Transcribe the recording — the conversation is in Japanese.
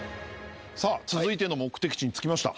さぁ続いての目的地に着きました。